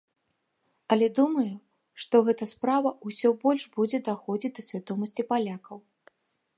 Але думаю, што гэта справа ўсё больш будзе даходзіць да свядомасці палякаў.